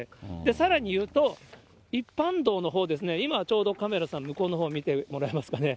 さらにいうと、一般道のほうですね、今ちょうどカメラさん、向こうのほう見てもらえますかね。